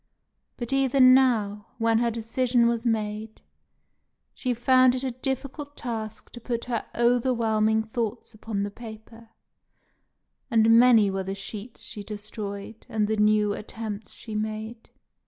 But even now, when her decision was made, she found it a difficult task to put her overwhelming thoughts upon the paper; and many were the sheets she destroyed, and the new attempts she made.